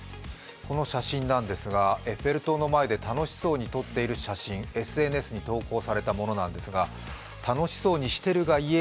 この写真なんですがエッフェル塔の前で楽しそうに撮っている写真ＳＮＳに投稿されたものなんですが楽しそうにしてるがゆえ